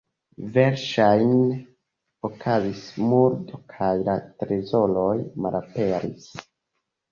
Verŝajne okazis murdo kaj la trezoroj malaperis.